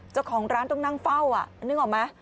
เจ้าของร้านต้องนั่งเฝ้านึกออกไหม